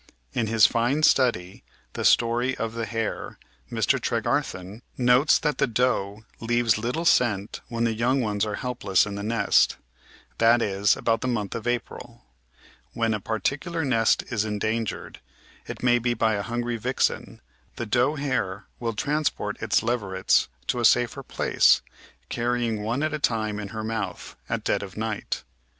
In his fine study. The Story of the Hare, Mr. Tregarthen notes that the doe leaves little scent when the young ones are helpless in the nest, that is, about the month of April. When a particular nest is endangered, it may be by a hungry vixen, the doe hare will transport its leverets to a safer place, carrying one at a time in her mouth, at dead of night.